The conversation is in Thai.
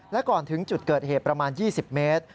และก่อนถึงจุดเกิดเหตุประมาณ๒๐เมตร